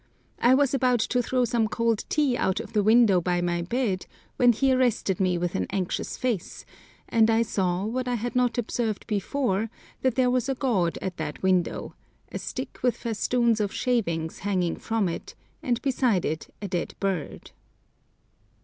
I was about to throw some cold tea out of the window by my bed when he arrested me with an anxious face, and I saw, what I had not observed before, that there was a god at that window—a stick with festoons of shavings hanging from it, and beside it a dead bird.